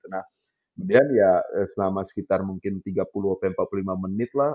nah kemudian ya selama sekitar mungkin tiga puluh sampai empat puluh lima menit lah